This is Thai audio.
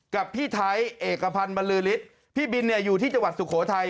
กับพี่ไทยเอกพันธ์บรรลือฤทธิ์พี่บินเนี่ยอยู่ที่จังหวัดสุโขทัย